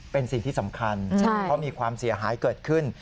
เป็นสิ่งที่สำคัญเพราะมีความเสียหายเกิดขึ้น